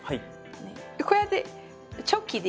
こうやってチョキで。